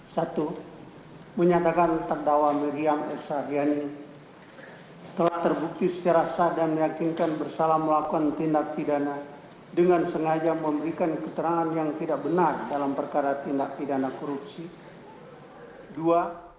satu menyatakan terdakwa miriam s haryani telah terbukti secara sah dan meyakinkan bersalah melakukan tindak pidana dengan sengaja memberikan keterangan yang tidak benar dalam perkara tindak pidana korupsi